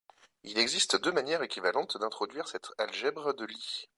Il existe deux manières équivalentes d'introduire cette algèbre de Lie.